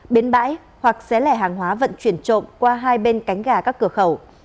bến bãi hoặc xé lẻ hàng hóa vận chuyển trộm qua hai bên cánh gà các cửa khẩu